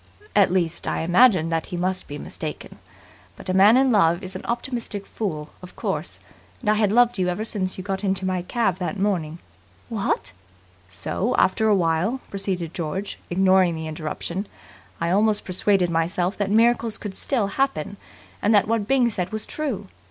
At least, I imagined that he must be mistaken. But a man in love is an optimistic fool, of course, and I had loved you ever since you got into my cab that morning ..." "What!" "So after a while," proceeded George, ignoring the interruption, "I almost persuaded myself that miracles could still happen, and that what Byng said was true.